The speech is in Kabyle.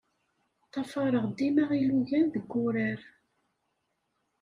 Ṭṭafareɣ dima ilugan deg urar.